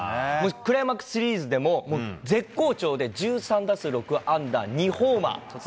クライマックスシリーズでももう絶好調で、１３打数６安打２ホーマー。